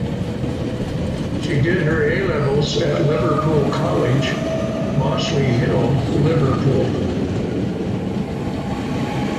She did her A-levels at Liverpool College, Mossley Hill, Liverpool.